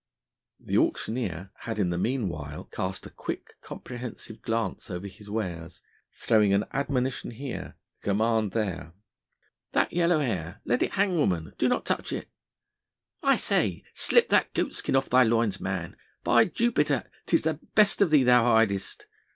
The auctioneer had in the meanwhile cast a quick comprehensive glance over his wares, throwing an admonition here, a command there. "That yellow hair let it hang, woman! do not touch it I say.... Slip that goatskin off thy loins, man ... By Jupiter 'tis the best of thee thou hidest....